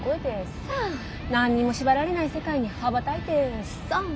何にも縛られない世界に羽ばたいてさ。